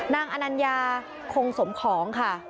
อนัญญาคงสมของค่ะ